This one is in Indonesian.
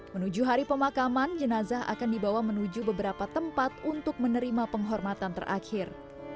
menuju hari pemakaman jenazah akan dibawa menuju beberapa tempat untuk menerima penghormatan terakhir